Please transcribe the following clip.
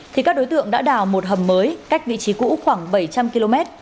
thì các đối tượng đã đào một hầm mới cách vị trí cũ khoảng bảy trăm linh km